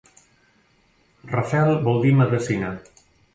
Rafel vol dir medecina.